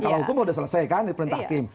kalau hukum sudah selesai kan diperintah hakim